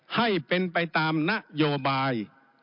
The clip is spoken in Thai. ให้เป็นไปตามนโยบาย